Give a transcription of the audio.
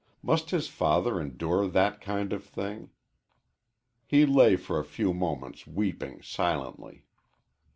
Must his father endure that kind of thing? He lay for a few moments weeping silently.